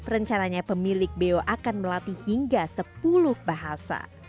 rencananya pemilik beo akan melatih hingga sepuluh bahasa